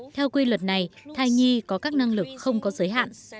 theo quy luật này thai nhi có các năng lực không có giới hạn